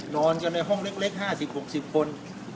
นอนกันในห้องเด็กห้าสิบหกสิบคน